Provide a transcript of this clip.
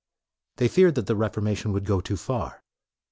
They feared that the Reformation would go too far.